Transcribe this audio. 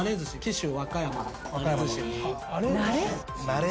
なれ？